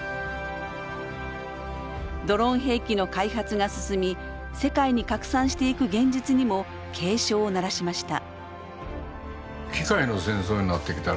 ドローン兵器の開発が進み世界に拡散していく現実にも警鐘を鳴らしました。